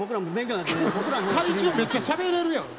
怪獣めっちゃしゃべれるやん。